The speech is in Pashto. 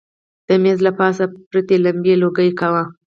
د مېز له پاسه پرتې لمبې لوګی کاوه.